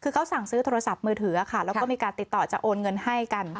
คือเขาสั่งซื้อโทรศัพท์มือถือค่ะแล้วก็มีการติดต่อจะโอนเงินให้กัน